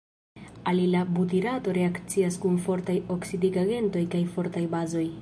Alila butirato reakcias kun fortaj oksidigagentoj kaj fortaj bazoj.